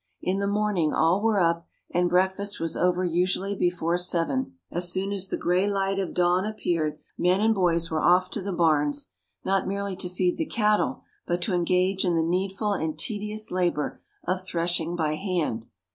In the morning all were up, and breakfast was over usually before seven. As soon as the gray light of dawn appeared, men and boys were off to the barns, not merely to feed the cattle but to engage in the needful and tedious labour of threshing by hand.